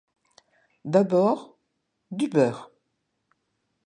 D'abord, du beurre.